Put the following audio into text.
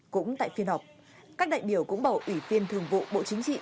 cũng tại phiên họp các đại biểu cũng bầu ủy viên thường vụ bộ chính trị